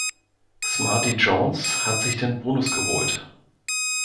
Smarty Jones hat sich den Bonus geholt.